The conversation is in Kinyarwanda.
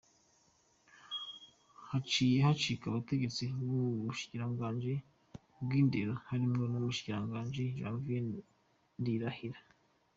Haciye hashika abategetsi bo mu bushikiranganji bw'indero, harimwo n'umushikiranganji Janviere Ndirahisha.